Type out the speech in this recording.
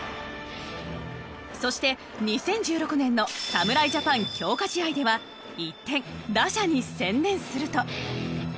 そして２０１６年の侍ジャパン強化試合では一転打者に専念すると。